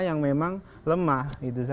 yang memang lemah